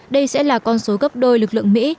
đây sẽ là con số gấp đôi lực lượng mỹ